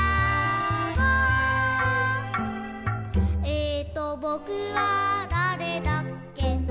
「ええとぼくはだれだっけ」